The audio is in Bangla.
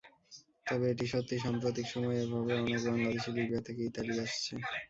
তবে এটি সত্যি, সাম্প্রতিক সময়ে এভাবে অনেক বাংলাদেশি লিবিয়া থেকে ইতালি আসছে।